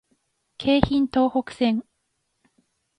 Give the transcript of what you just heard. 京浜東北線